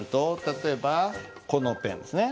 例えば「このペン」ですね